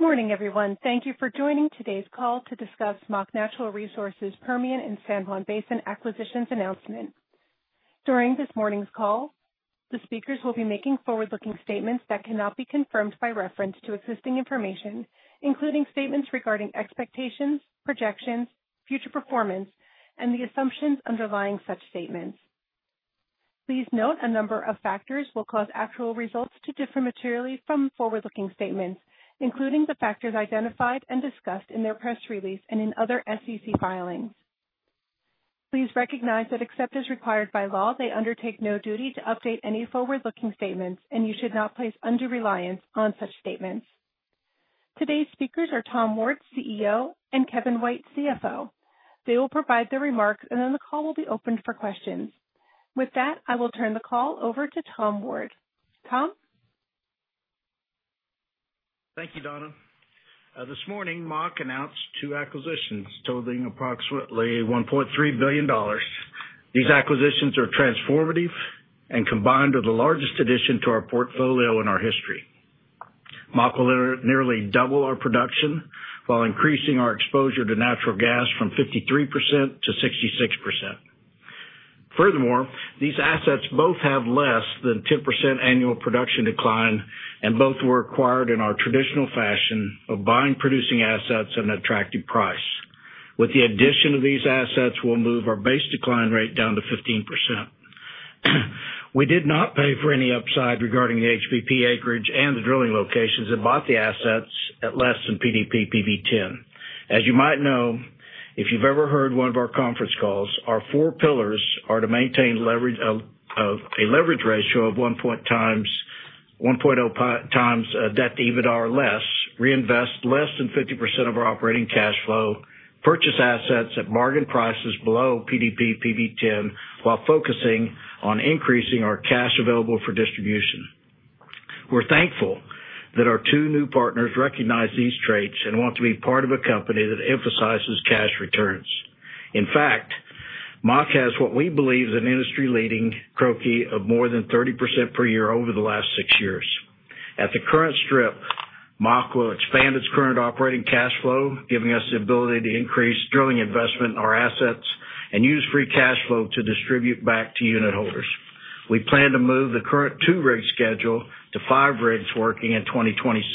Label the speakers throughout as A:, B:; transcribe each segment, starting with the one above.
A: Good morning, everyone. Thank you for joining today's call to discuss Mach Natural Resources' Permian and San Juan Basin acquisitions announcement. During this morning's call, the speakers will be making forward-looking statements that cannot be confirmed by reference to existing information, including statements regarding expectations, projections, future performance, and the assumptions underlying such statements. Please note a number of factors will cause actual results to differ materially from forward-looking statements, including the factors identified and discussed in their press release and in other SEC filings. Please recognize that, except as required by law, they undertake no duty to update any forward-looking statements, and you should not place undue reliance on such statements. Today's speakers are Tom Ward, CEO, and Kevin White, CFO. They will provide their remarks, and then the call will be open for questions. With that, I will turn the call over to Tom Ward. Tom?
B: Thank you, Donna. This morning, Mach announced two acquisitions totaling approximately $1.3 billion. These acquisitions are transformative and combined with the largest addition to our portfolio in our history. Mach will nearly double our production while increasing our exposure to natural gas from 53%-66%. Furthermore, these assets both have less than 10% annual production decline, and both were acquired in our traditional fashion of buying producing assets at an attractive price. With the addition of these assets, we'll move our base decline rate down to 15%. We did not pay for any upside regarding the HBP acreage and the drilling locations and bought the assets at less than PDP PV-10. As you might know, if you've ever heard one of our conference calls, our four pillars are to maintain a leverage ratio of 1.0x a debt/EBITDA or less, reinvest less than 50% of our operating cash flow, purchase assets at margin prices below PDP PV-10, while focusing on increasing our cash available for distribution. We're thankful that our two new partners recognize these traits and want to be part of a company that emphasizes cash returns. In fact, Mach has what we believe is an industry-leading CROCI of more than 30% per year over the last six years. At the current strip, Mach will expand its current operating cash flow, giving us the ability to increase drilling investment in our assets and use free cash flow to distribute back to unitholders. We plan to move the current two rig schedule to five rigs working in 2026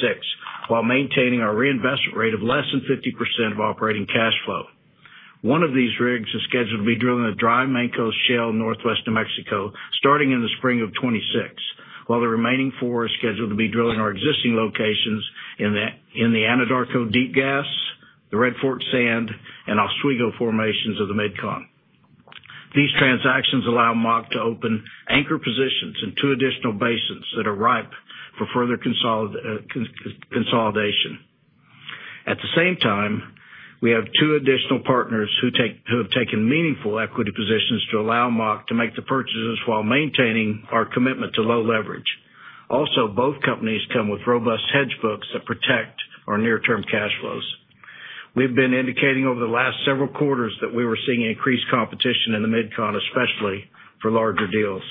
B: while maintaining our reinvestment rate of less than 50% of operating cash flow. One of these rigs is scheduled to be drilling the dry Mancos Shale in northwest New Mexico, starting in the spring of 2026, while the remaining four are scheduled to be drilling our existing locations in the Anadarko Deep Gas, the Red Fork Sand, and Oswego formations of the Mid-Continent. These transactions allow Mach to open anchor positions in two additional basins that are ripe for further consolidation. At the same time, we have two additional partners who have taken meaningful equity positions to allow Mach to make the purchases while maintaining our commitment to low leverage. Also, both companies come with robust hedge books that protect our near-term cash flows. We've been indicating over the last several quarters that we were seeing increased competition in the Mid-Continent, especially for larger deals.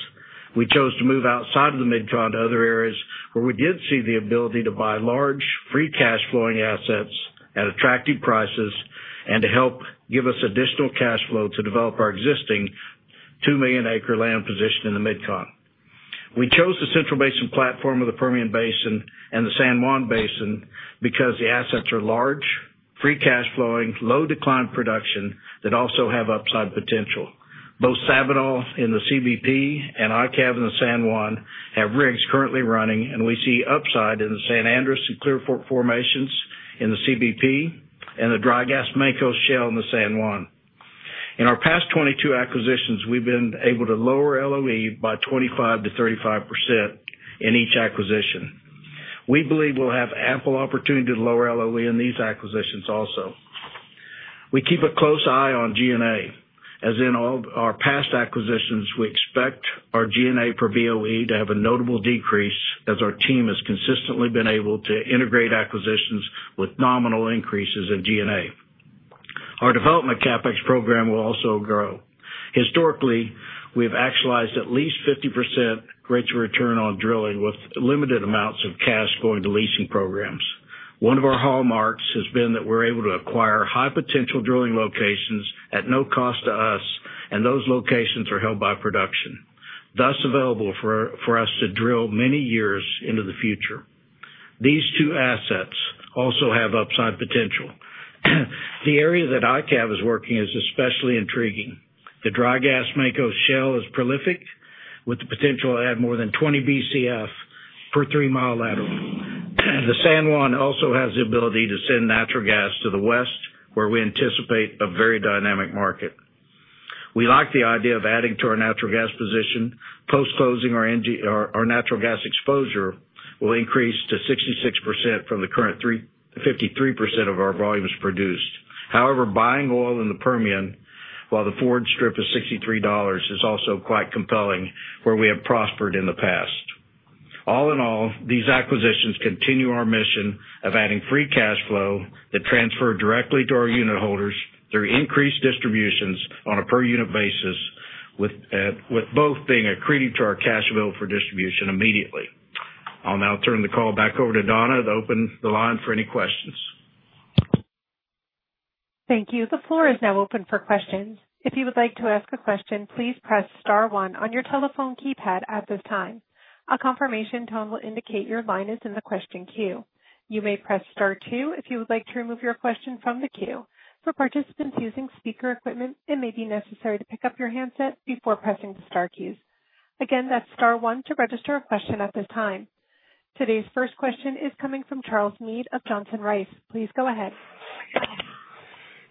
B: We chose to move outside of the Mid-Continent to other areas where we did see the ability to buy large free cash-flowing assets at attractive prices and to help give us additional cash flow to develop our existing two-million-acre land position in the Mid-Continent. We chose the Central Basin Platform of the Permian Basin and the San Juan Basin because the assets are large, free cash-flowing, low-decline production that also have upside potential. Both Sabinal in the CBP and ICAB in the San Juan have rigs currently running, and we see upside in the San Andreas and Clearfork formations in the CBP and the dry gas Mancos Shale in the San Juan. In our past 22 acquisitions, we've been able to lower LOE by 25%-35% in each acquisition. We believe we'll have ample opportunity to lower LOE in these acquisitions also. We keep a close eye on G&A. As in all our past acquisitions, we expect our G&A per BOE to have a notable decrease as our team has consistently been able to integrate acquisitions with nominal increases in G&A. Our development CapEx program will also grow. Historically, we've actualized at least 50% greater return on drilling with limited amounts of cash going to leasing programs. One of our hallmarks has been that we're able to acquire high-potential drilling locations at no cost to us, and those locations are held by production, thus available for us to drill many years into the future. These two assets also have upside potential. The area that ICAB is working is especially intriguing. The dry gas Mancos Shale is prolific with the potential to add more than 20 Bcf per 3 mi lateral. The San Juan also has the ability to send natural gas to the west, where we anticipate a very dynamic market. We like the idea of adding to our natural gas position. Post-closing, our natural gas exposure will increase to 66% from the current 53% of our volumes produced. However, buying oil in the Permian while the forward strip is $63 is also quite compelling, where we have prospered in the past. All in all, these acquisitions continue our mission of adding free cash flow that transfers directly to our unitholders through increased distributions on a per-unit basis, with both being accretive to our cash available for distribution immediately. I'll now turn the call back over to Donna to open the line for any questions.
A: Thank you. The floor is now open for questions. If you would like to ask a question, please press star one on your telephone keypad at this time. A confirmation tone will indicate your line is in the question queue. You may press star two if you would like to remove your question from the queue. For participants using speaker equipment, it may be necessary to pick up your handset before pressing the star keys. Again, that's star one to register a question at this time. Today's first question is coming from Charles Meade of Johnson Rice. Please go ahead.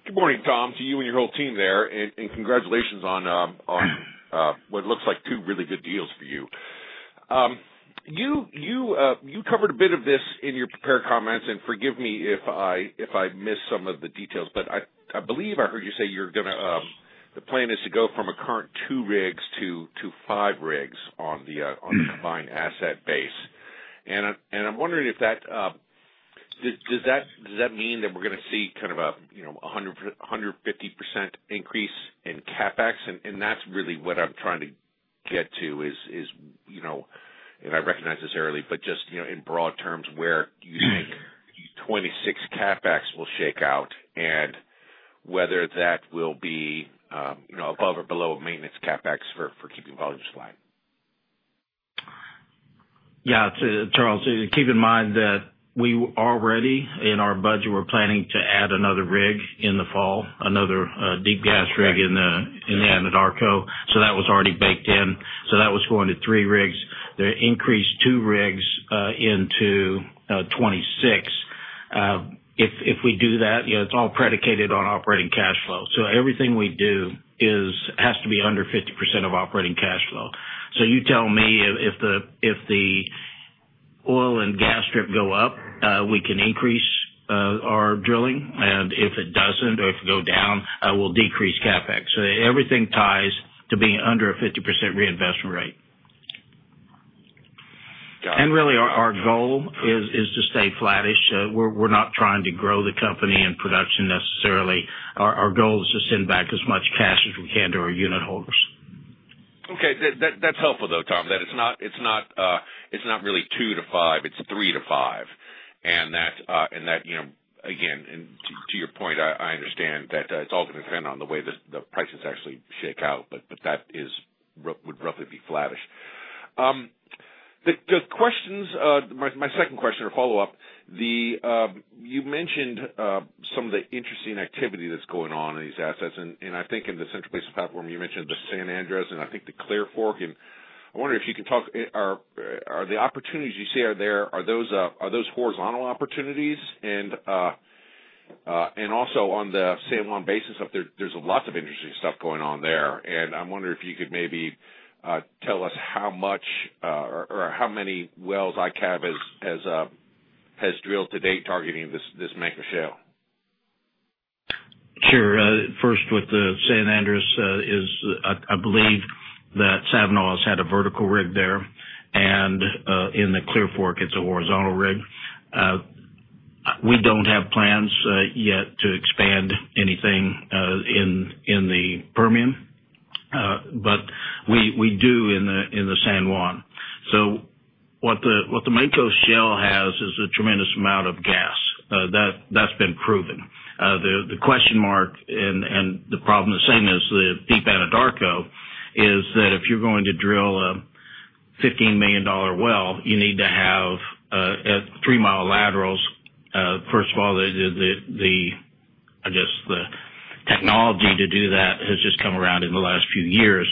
C: Good morning, Tom. To you and your whole team there, and congratulations on what looks like two really good deals for you. You covered a bit of this in your prepared comments, and forgive me if I missed some of the details, but I believe I heard you say the plan is to go from a current two rigs to five rigs on the combined asset base. I'm wondering if that means we're going to see kind of a 150% increase in CapEx. That's really what I'm trying to get to, you know, and I recognize this is early, but just, you know, in broad terms, where you think 2026 CapEx will shake out and whether that will be above or below a maintenance CapEx for keeping volumes flat.
B: Yeah. Charles, keep in mind that we already, in our budget, were planning to add another rig in the fall, another deep gas rig in the Anadarko. That was already baked in. That was going to three rigs. They increased to two rigs into 2026. If we do that, you know, it's all predicated on operating cash flow. Everything we do has to be under 50% of operating cash flow. You tell me if the oil and gas strip go up, we can increase our drilling, and if it doesn't or if we go down, we'll decrease CapEx. Everything ties to being under a 50% reinvestment rate.
C: Got it.
B: Our goal is to stay flattish. We're not trying to grow the company in production necessarily. Our goal is to send back as much cash as we can to our unit holders.
C: Okay. That's helpful, though, Tom, that it's not really two to five, it's three to five. To your point, I understand that it's all going to depend on the way the prices actually shake out, but that would roughly be flattish. My second question or follow-up, you mentioned some of the interesting activity that's going on in these assets. I think in the Central Basin Platform, you mentioned the San Andreas and I think the Clearfork. I wonder if you can talk, are the opportunities you say are there, are those horizontal opportunities? Also, on the San Juan Basin stuff, there's lots of interesting stuff going on there. I'm wondering if you could maybe tell us how much or how many wells ICAB has drilled to date targeting this Mancos Shale?
B: Sure. First, with the San Andreas, I believe that Sabinal has had a vertical rig there, and in the Clearfork, it's a horizontal rig. We don't have plans yet to expand anything in the Permian, but we do in the San Juan. What the Mancos Shale has is a tremendous amount of gas. That's been proven. The question mark and the problem, the same as the deep Anadarko, is that if you're going to drill a $15 million well, you need to have 3 mi laterals. First of all, I guess the technology to do that has just come around in the last few years.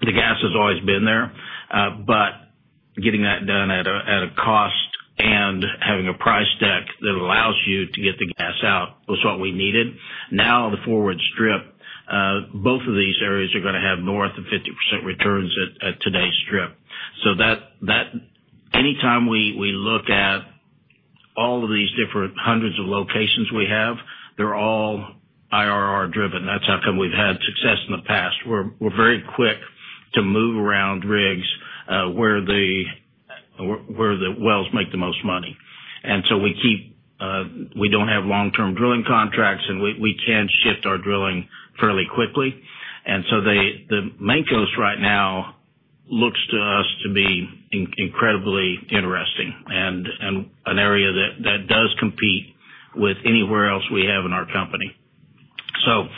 B: The gas has always been there, but getting that done at a cost and having a price deck that allows you to get the gas out was what we needed. Now, the forward strip, both of these areas are going to have north of 50% returns at today's strip. Anytime we look at all of these different hundreds of locations we have, they're all IRR-driven. That's how come we've had success in the past. We're very quick to move around rigs where the wells make the most money. We don't have long-term drilling contracts, and we can shift our drilling fairly quickly. The Mancos right now looks to us to be incredibly interesting and an area that does compete with anywhere else we have in our company. To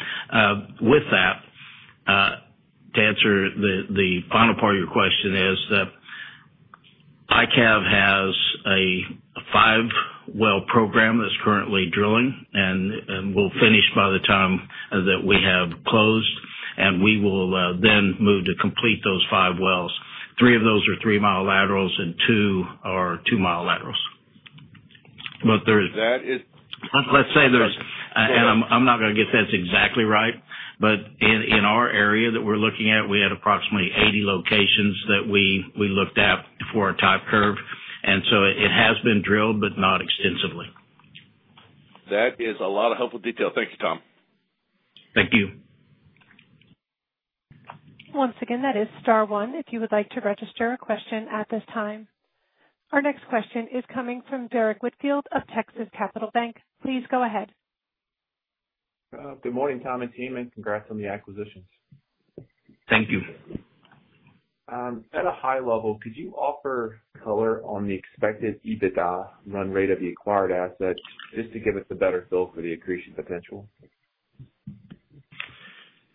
B: answer the final part of your question, ICAB Energy has a five-well program that's currently drilling and will finish by the time that we have closed, and we will then move to complete those five wells. Three of those are 3 mi laterals and two are 2 mi laterals.
C: That is.
B: Let's say there's, and I'm not going to get that's exactly right, but in our area that we're looking at, we had approximately 80 locations that we looked at for a type curve. It has been drilled, but not extensively.
C: That is a lot of helpful detail. Thank you, Tom.
B: Thank you.
A: Once again, that is star one if you would like to register a question at this time. Our next question is coming from Derrick Whitfield of Texas Capital Bank. Please go ahead.
D: Good morning, Tom and team, and congrats on the acquisitions.
B: Thank you.
D: At a high level, could you offer color on the expected EBITDA run rate of the acquired asset just to give us a better feel for the accretion potential?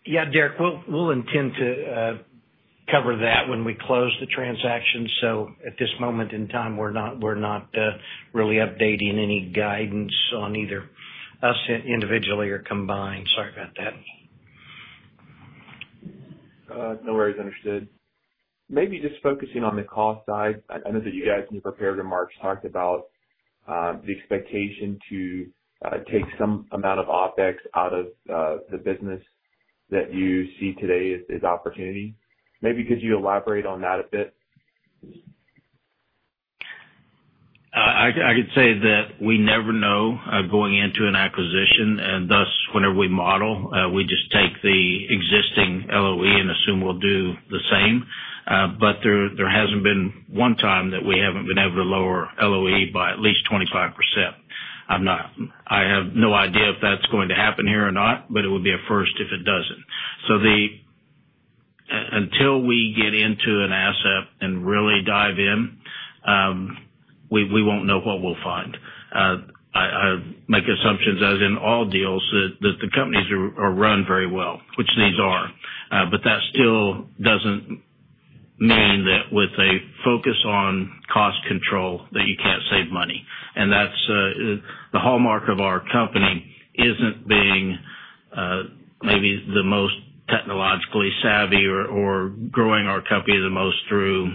B: Derrick, we'll intend to cover that when we close the transaction. At this moment in time, we're not really updating any guidance on either us individually or combined. Sorry about that.
D: No worries. Understood. Maybe just focusing on the cost side, I know that you guys in your prepared remarks talked about the expectation to take some amount of OpEx out of the business that you see today as opportunity. Maybe could you elaborate on that a bit?
B: I could say that we never know going into an acquisition, and thus whenever we model, we just take the existing LOE and assume we'll do the same. There hasn't been one time that we haven't been able to lower LOE by at least 25%. I have no idea if that's going to happen here or not, it would be a first if it doesn't. Until we get into an asset and really dive in, we won't know what we'll find. I make assumptions, as in all deals, that the companies are run very well, which these are. That still doesn't mean that with a focus on cost control you can't save money. That's the hallmark of our company. It isn't being maybe the most technologically savvy or growing our company the most through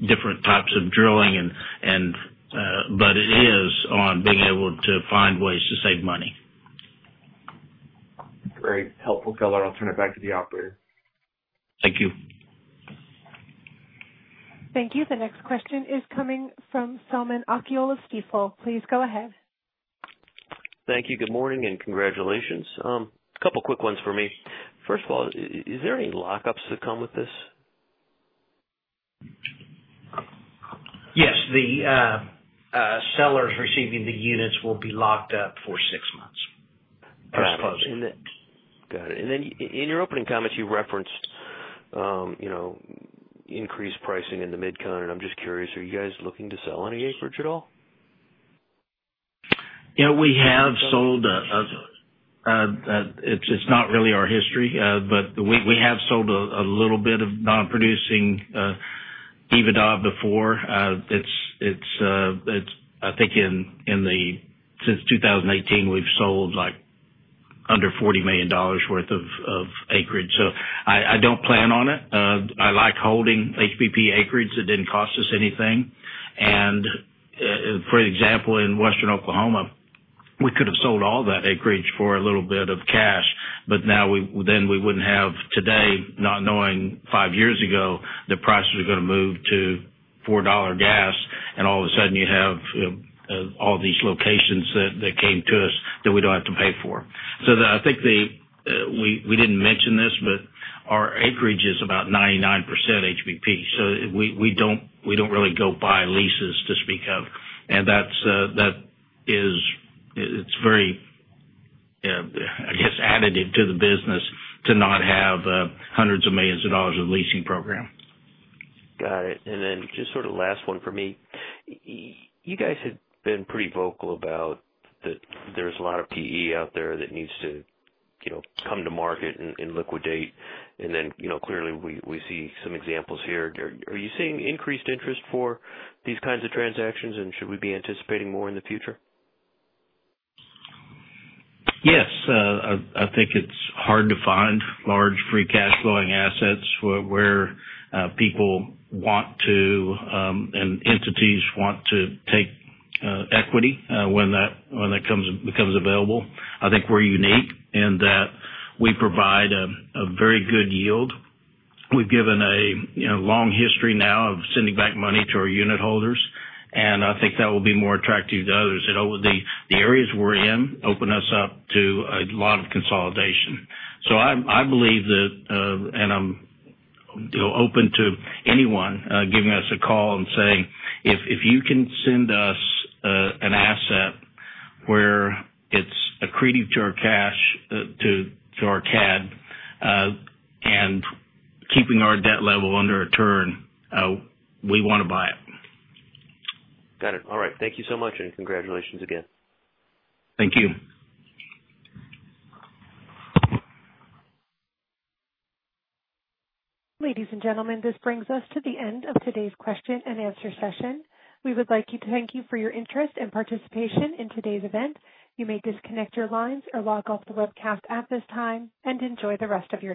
B: different types of drilling, it is on being able to find ways to save money.
D: Great. Helpful color. I'll turn it back to the operator.
B: Thank you.
A: Thank you. The next question is coming from Selman Akyol, Stifel. Please go ahead.
E: Thank you. Good morning and congratulations. A couple of quick ones for me. First of all, is there any lockups that come with this?
B: Yes, the sellers receiving the units will be locked up for six months, I suppose.
E: Got it. In your opening comments, you referenced increased pricing in the Mid-Continent, and I'm just curious, are you guys looking to sell any acreage at all?
B: Yeah, we have sold. It's not really our history, but we have sold a little bit of non-producing EBITDA before. I think since 2018, we've sold like under $40 million worth of acreage. I don't plan on it. I like holding HBP acreage. It didn't cost us anything. For example, in Western Oklahoma, we could have sold all that acreage for a little bit of cash, but now we wouldn't have today, not knowing five years ago the prices are going to move to $4 gas, and all of a sudden you have all these locations that came to us that we don't have to pay for. I think we didn't mention this, but our acreage is about 99% HBP. We don't really go buy leases to speak of. That is, it's very, I guess, additive to the business to not have hundreds of millions of dollars of leasing program.
E: Got it. Just sort of the last one for me. You guys have been pretty vocal about that there's a lot of PE out there that needs to come to market and liquidate. You know, clearly we see some examples here. Are you seeing increased interest for these kinds of transactions, and should we be anticipating more in the future?
B: Yes. I think it's hard to find large free cash-flowing assets where people want to and entities want to take equity when that becomes available. I think we're unique in that we provide a very good yield. We've given a long history now of sending back money to our unit holders, and I think that will be more attractive to others. The areas we're in open us up to a lot of consolidation. I believe that, and I'm open to anyone giving us a call and saying, "If you can send us an asset where it's accreting to our cash, to our CAD, and keeping our debt level under a turn, we want to buy it.
E: Got it. All right. Thank you so much, and congratulations again.
B: Thank you.
A: Ladies and gentlemen, this brings us to the end of today's question and answer session. We would like to thank you for your interest and participation in today's event. You may disconnect your lines or log off the webcast at this time and enjoy the rest of your day.